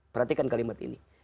perhatikan kalimat ini